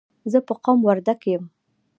زه په قوم وردګ یم.